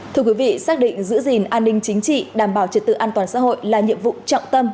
thưa quý vị xác định giữ gìn an ninh chính trị đảm bảo trật tự an toàn xã hội là nhiệm vụ trọng tâm